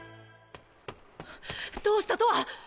どうしたとわ！